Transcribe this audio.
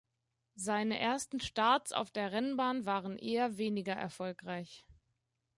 Seine ersten Starts auf der Rennbahn waren eher weniger erfolgreich.